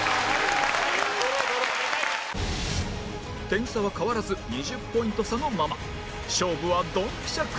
点差は変わらず２０ポイント差のまま